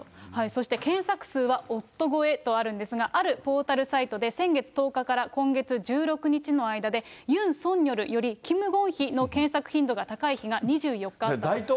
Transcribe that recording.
そして検索数は夫超えとあるんですが、あるポータルサイトで先月１０日から今月１６日の間で、ユン・ソンニョルより、キム・ゴンヒの検索頻度が高い日が２４日あったと。